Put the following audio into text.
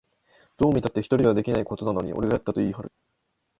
どう見たって一人ではできないことなのに、俺がやったと言いはる